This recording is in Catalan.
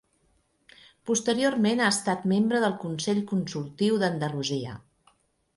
Posteriorment ha estat membre del Consell Consultiu d'Andalusia.